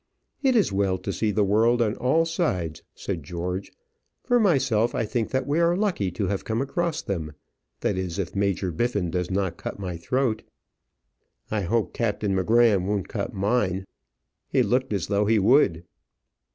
"It is well to see the world on all sides," said George. "For myself, I think that we are lucky to have come across them that is, if Major Biffin does not cut my throat." "I hope Captain M'Gramm won't cut mine. He looked as though he would."